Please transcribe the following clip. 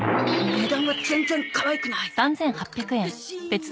値段は全然かわいくないガッシーン！